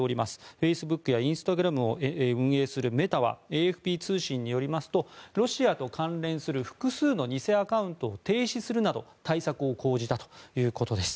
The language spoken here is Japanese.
フェイスブックやインスタグラムを運営するメタはＡＦＰ通信によりますとロシアと関連する複数の偽アカウントを停止するなど対策を講じたということです。